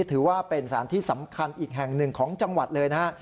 ถือว่าเป็นสารที่สำคัญอีกแห่งหนึ่งของจังหวัดเลยนะฮะ